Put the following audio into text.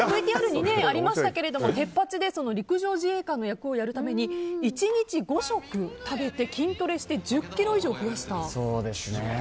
ＶＴＲにありましたが「テッパチ！」で陸上自衛官の役をやるために１日５食食べて筋トレして１０ｋｇ以上増やしたとか。